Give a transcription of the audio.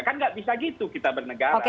kan tidak bisa begitu kita bernegara